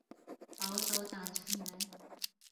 保守党成员。